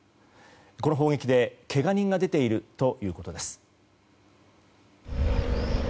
この砲撃で、けが人が出ているということです。